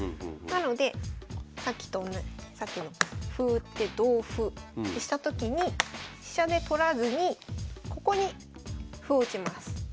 なのでさっきとさっきの歩打って同歩ってしたときに飛車で取らずにここに歩を打ちます。